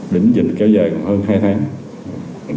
đỉnh dịch kéo dài gần hơn hai tháng